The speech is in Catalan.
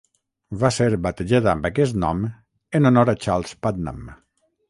Va ser batejada amb aquest nom en honor a Charles Putnam.